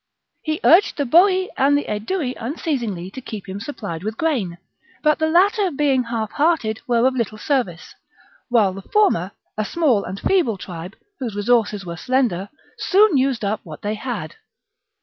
He urged the Boii and the Aedui unceasingly to keep him supplied with grain : but the latter, being half hearted, were of little service ; while the former, a small and feeble tribe, whose resources were slender, soon used up what they had.